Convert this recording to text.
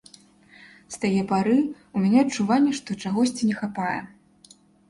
З тае пары ў мяне адчуванне, што чагосьці не хапае.